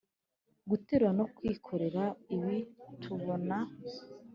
Guterura no kwikorera ibi tubona